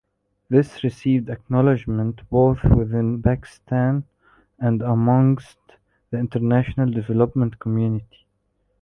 This received acknowledgment both within Pakistan and amongst the international development community.